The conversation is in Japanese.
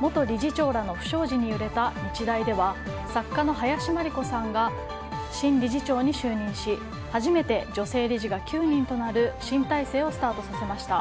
元理事長らの不祥事に揺れた日大では作家の林真理子さんが新理事長に就任し初めて女性理事が９人となる新体制をスタートさせました。